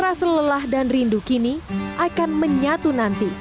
rasa lelah dan rindu kini akan menyatu nanti